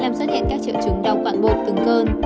làm xuất hiện các triệu chứng đau quạng bột từng cơn